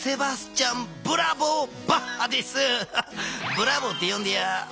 「ブラボー」ってよんでや。